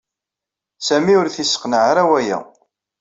Sami ur t-yesseqneɛ ara waya.